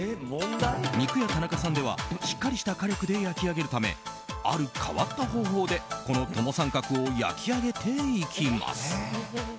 肉屋田中さんではしっかりした火力で焼き上げるためある変わった方法でこのトモサンカクを焼き上げていきます。